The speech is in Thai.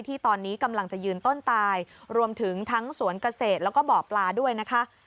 ที่ตอนนี้กำลังจะยืนต้นตายรวมถึงทั้งสวนเกษตรแล้วก็บ่อปลาด้วยนะคะ